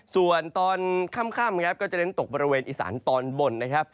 ส่วนตอนค่ำครับก็จะเน้นตกบริเวณอีสานตอนบนนะครับ